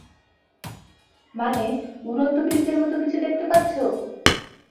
মানে, উড়ন্ত পিরিচের মত কিছু দেখতে পাচ্ছ?